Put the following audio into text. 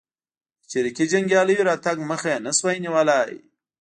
د چریکي جنګیالیو راتګ مخه یې نه شوه نیولای.